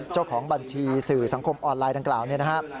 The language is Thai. เจ้าของบัญชีสื่อสังคมออนไลน์ดังกล่าวเนี่ยนะครับ